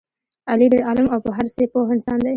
علي ډېر عالم او په هر څه پوه انسان دی.